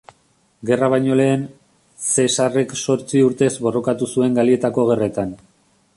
Gerra baino lehen, Zesarrek zortzi urtez borrokatu zuen Galietako gerretan.